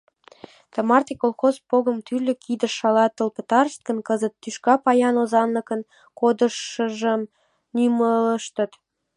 Тымарте колхоз погым тӱрлӧ кидыш шалатыл пытарышт гын, кызыт тӱшка паян озанлыкын кодшыжым нюмыштыт.